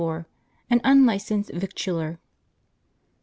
An unlicensed victualler.